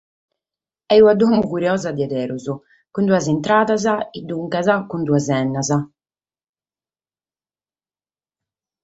Est una domo curiosa a beru, cun duas intradas e duncas cun duas ghennas.